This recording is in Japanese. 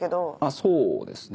そうですね。